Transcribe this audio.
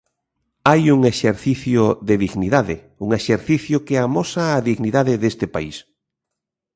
Hai un exercicio de dignidade, un exercicio que amosa a dignidade deste país.